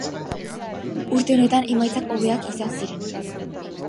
Urte honetan emaitzak hobeak izan ziren.